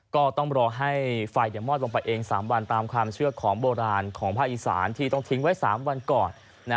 ก็ต้องรอให้ไฟมอดลงไปเอง๓วันตามความเชื่อของโบราณของภาคอีสานที่ต้องทิ้งไว้๓วันก่อน